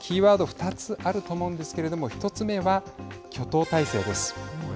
２つあると思うんですけれども１つ目は挙党体制です。